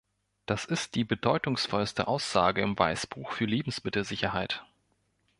Das ist die bedeutungsvollste Aussage im Weißbuch für Lebensmittelsicherheit.